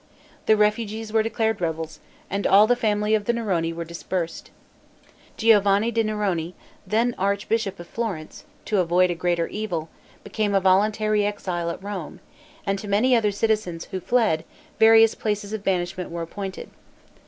The refugees were declared rebels, and all the family of the Neroni were dispersed. Giovanni di Neroni, then archbishop of Florence, to avoid a greater evil, became a voluntary exile at Rome, and to many other citizens who fled, various places of banishment were appointed.